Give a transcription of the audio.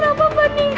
nomor perempuannya enak